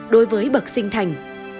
đối với bậc sinh thành